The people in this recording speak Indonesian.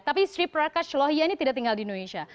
tapi sri prakash lohia ini tidak tinggal di indonesia